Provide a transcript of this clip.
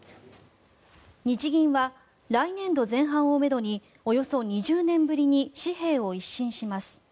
日銀は来年度前半をめどにおよそ２０年ぶりに紙幣を一新します。